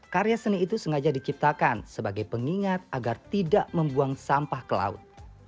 karya seni itu sengaja diciptakan sebagai pengingat agar tidak membuang sampah ke laut